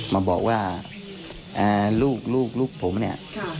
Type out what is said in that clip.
มาบอกว่าลูกลูกผมเนี่ย